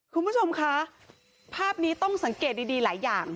คุณผู้ชมคะภาพนี้ต้องสังเกตดีหลายอย่าง